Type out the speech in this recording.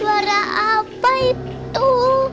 suara apa itu